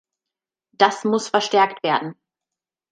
Das muss verstärkt werden.